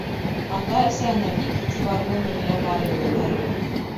Ата-әсәһенә бик иғтибарлы Нурия Барый ҡыҙы.